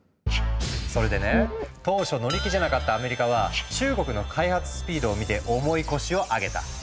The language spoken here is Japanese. それでね当初乗り気じゃなかったアメリカは中国の開発スピードを見て重い腰を上げた。